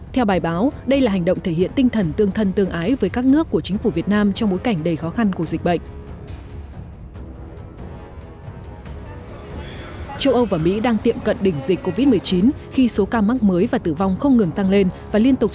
theo bài báo đây là hành động thể hiện tinh thần tương thân tương ái với các nước của chính phủ việt nam trong bối cảnh đầy khó khăn của dịch bệnh